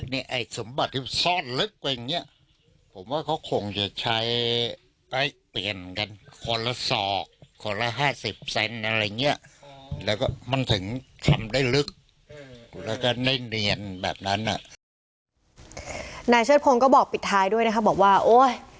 นายเชิดพงศ์ก็บอกปิดท้ายด้วยนะคะบอกว่าโอ๊ย